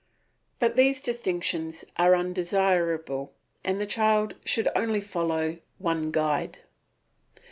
But these distinctions are undesirable and the child should only follow one guide.